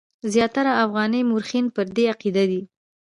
زیاتره افغاني مورخین پر دې عقیده دي.